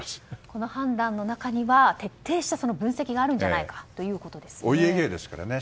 この判断の中には徹底した分析があるんじゃないかということですね。